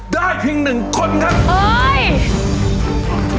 ได้เพียงหนึ่งคนครับ